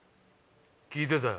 聞いてたよ。